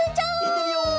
いってみよう！